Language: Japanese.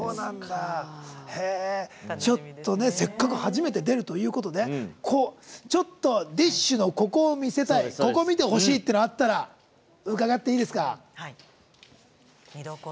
ちょっと、せっかく初めて出るということでＤＩＳＨ／／のここを見せたいここを見てほしい！っていうのあったら、伺っていいですか。